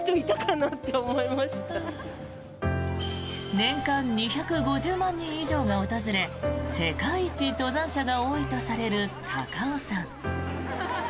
年間２５０万人以上が訪れ世界一登山者が多いとされる高尾山。